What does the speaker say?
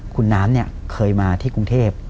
คุณน้ำเคยมาที่กรุงเทพ